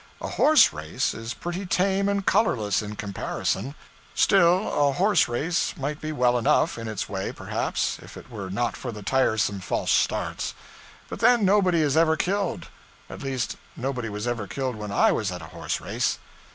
A horse race is pretty tame and colorless in comparison. Still, a horse race might be well enough, in its way, perhaps, if it were not for the tiresome false starts. But then, nobody is ever killed. At least, nobody was ever killed when I was at a horse race.